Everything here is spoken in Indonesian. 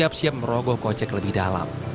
harga tol siap siap merogoh kocek lebih dalam